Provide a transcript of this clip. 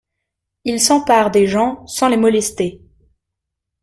Il s'empare des gens sans les molester.